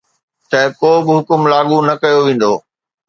ته ڪو به حڪم لاڳو نه ڪيو ويندو